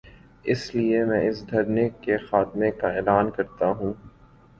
اس لیے میں اس دھرنے کے خاتمے کا اعلان کر تا ہوں۔